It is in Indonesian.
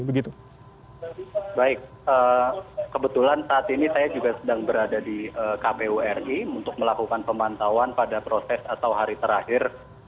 baik kebetulan saat ini saya juga sedang berada di kpu ri untuk melakukan pemantauan pada proses atau hari terakhir